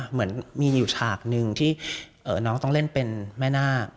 เหมือนมีอยู่ฉากหนึ่งที่น้องต้องเล่นเป็นแม่นาค